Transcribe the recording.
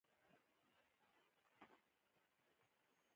یو دېرشم لوست د ازبکستان هېواد په اړه پوښتنې مطرح کوي.